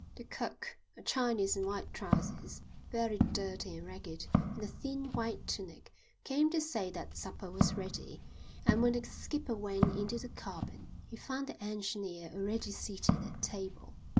The cook, a Chinese in white trousers, very dirty and ragged, and a thin white tunic, came to say that supper was ready, and when the skipper went into the cabin he found the engineer already seated at table.